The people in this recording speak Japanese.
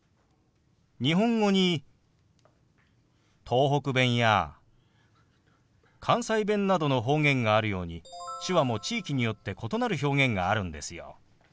日本語に東北弁や関西弁などの方言があるように手話も地域によって異なる表現があるんですよ。